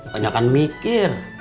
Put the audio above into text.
banyak yang mikir